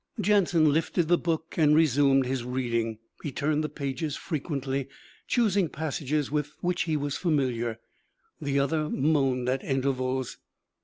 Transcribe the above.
Jansen lifted the book and resumed his reading. He turned the pages frequently, choosing passages with which he was familiar. The other moaned at intervals.